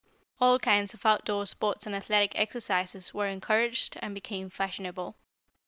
All kinds of out door sports and athletic exercises were encouraged and became fashionable.